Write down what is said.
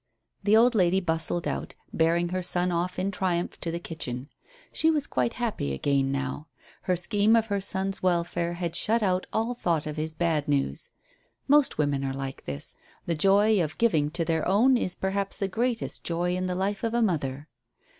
The old lady bustled out, bearing her son off in triumph to the kitchen. She was quite happy again now. Her scheme for her son's welfare had shut out all thought of his bad news. Most women are like this; the joy of giving to their own is perhaps the greatest joy in the life of a mother.